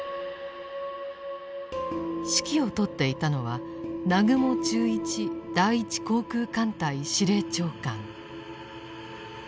指揮を執っていたのは南雲忠一第一航空艦隊司令長官。